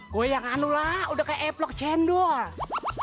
goyang anu lah udah kayak epok cendol